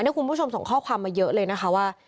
นี่คุณผู้ชมส่งข้อความมาเยอะเลยนะคะว่า